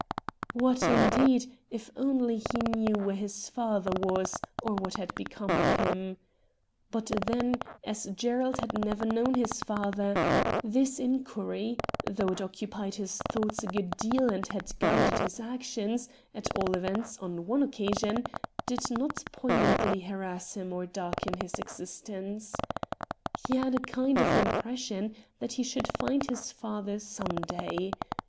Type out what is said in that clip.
What, indeed, if only he knew where his father was, or what had become of him ? But, then, as Gerald had never known his father, this inquiry, though it occupied his thoughts a good deal, and had guided his actions, at all events, on one occasion, did not poignantly harass him or darken his existence. He had a kind of impression that he should find his father some day.